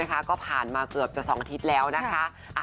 ก็ผ่านมาเกือบจะ๒อาทิตย์แล้วนะคะ